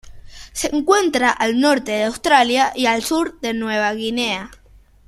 Se encuentra al norte de Australia y al sur de Nueva Guinea.